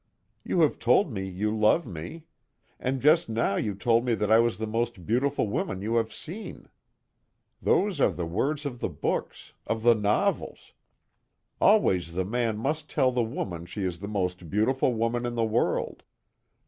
You have told me you love me. And just now you told me that I was the most beautiful woman you have seen. Those are the words of the books of the novels. Always the man must tell the woman she is the most beautiful woman in the world.